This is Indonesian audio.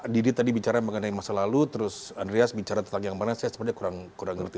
didi tadi bicara mengenai masa lalu terus andreas bicara tentang yang mana saya sebenarnya kurang ngerti